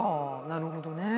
なるほどね。